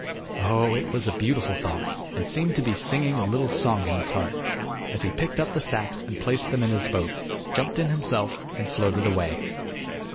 Oh, it was a beautiful thought, and seemed to be singing a little song in his heart, as he picked up the sacks and placed them in his boat, jumped in himself and floated away.